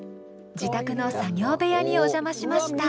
自宅の作業部屋にお邪魔しました。